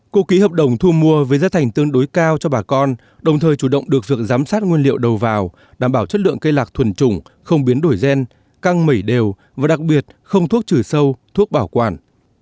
cô ký hợp đồng thu mua với giá thành tương đối cao cho bà con đồng thời chủ động được việc giám sát nguyên liệu đầu vào đảm bảo chất lượng cây lạc thuần trùng không biến đổi gen căng mẩy đều và đặc biệt không thuốc trừ sâu thuốc bảo quản